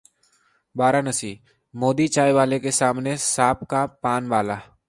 वाराणसी: मोदी 'चाय वाले' के सामने सपा का 'पान वाला'